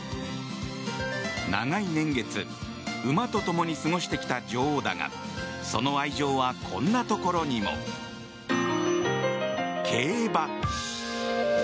長い年月馬と共に過ごしてきた女王だがその愛情はこんなところにも。競馬。